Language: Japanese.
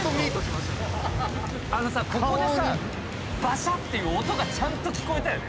ここでさバシャッていう音がちゃんと聞こえたよね。